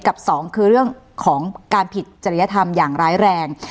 กับสองคือเรื่องของการผิดจริยธรรมอย่างร้ายแรง